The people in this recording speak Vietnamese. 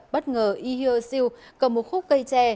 bất ngờ y hiêu siêu cầm một khúc cây tre